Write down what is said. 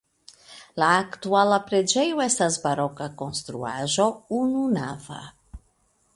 La aktuala preĝejo estas baroka konstruaĵo ununava.